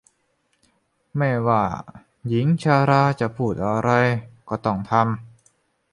ไม่ว่าหญิงชราจะพูดอะไรก็ต้องทำ